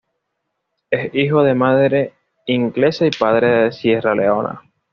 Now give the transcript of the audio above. Es hijo de madre inglesa y padre de Sierra Leona.